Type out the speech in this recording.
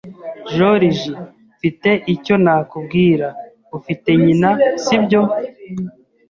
Joriji, mfite icyo nakubwira. Ufite nyina, si byo?